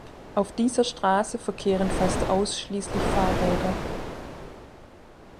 Auf dieser Straße verkehren fast ausschließlich Fahrräder.